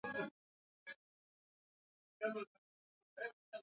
Libertacão de Angola Partido do Trabalho iliyosaidiwa